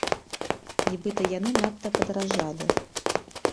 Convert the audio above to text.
Нібыта, яны надта падаражалі.